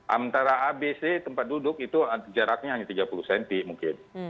antara abc tempat duduk itu jaraknya hanya tiga puluh cm mungkin